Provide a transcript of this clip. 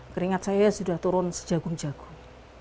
keringat saya sudah turun sejagung jagung